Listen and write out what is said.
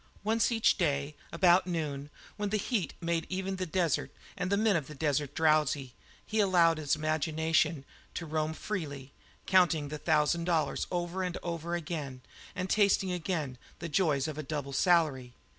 Once each day, about noon, when the heat made even the desert and the men of the desert drowsy, he allowed his imagination to roam freely, counting the thousand dollars over and over again, and tasting again the joys of a double salary.